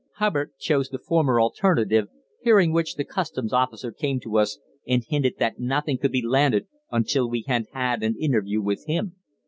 Hubbard chose the former alternative, hearing which the customs officer came to us and hinted that nothing could be landed until we had had an interview with him.